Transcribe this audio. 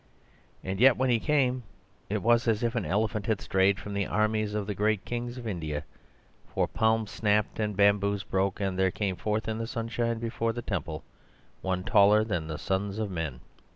And yet when he came, it was as if an elephant had strayed from the armies of the great kings of India. For palms snapped, and bamboos broke, and there came forth in the sunshine before the temple one taller than the sons of men.